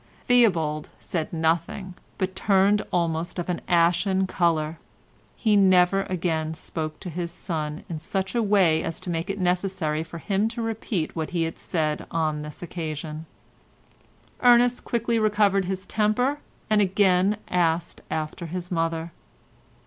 Theobald said nothing, but turned almost of an ashen colour; he never again spoke to his son in such a way as to make it necessary for him to repeat what he had said on this occasion. Ernest quickly recovered his temper and again asked after his mother.